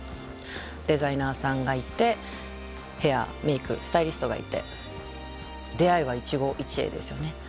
デザイナーさんがいてヘアメークスタイリストがいて出会いは一期一会ですよね。